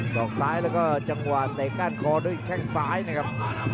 ดอกซ้ายแล้วก็จังหวะเตะก้านคอด้วยแข้งซ้ายนะครับ